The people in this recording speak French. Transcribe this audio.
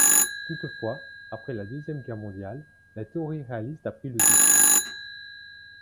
Toutefois, après la Deuxième Guerre mondiale, la théorie réaliste a pris le dessus.